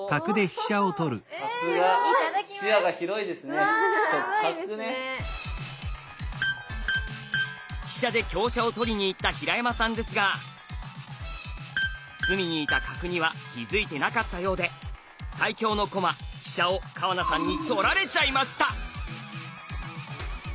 飛車で香車を取りにいった平山さんですが隅にいた角には気付いてなかったようで最強の駒飛車を川名さんに取られちゃいました！